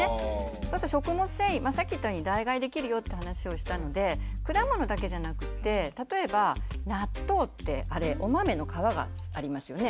そうすると食物繊維さっき言ったように代替えできるよって話をしたので果物だけじゃなくって例えば納豆ってあれお豆の皮がありますよね。